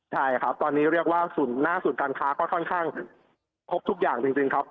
ใช่ครับตอนนี้เรียกว่าหน้าศูนย์การค้าก็ค่อนข้างครบทุกอย่างจริงครับ